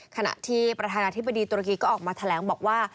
ขณะที่ประธานาธิบดีตุรกีก็ออกมาแถลงบอกว่า